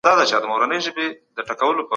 د شیطان خبرو ته غوږ نه نیول کېږي.